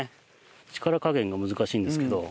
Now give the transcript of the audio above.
力加減が難しいんですけど。